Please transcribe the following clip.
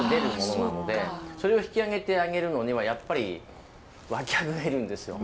それを引き上げてあげるのにはやっぱり脇役がいるんですよ。